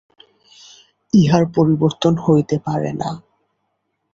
ইহার পরিবর্তন হইতে পারে না।